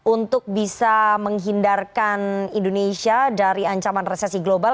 untuk bisa menghindarkan indonesia dari ancaman resesi global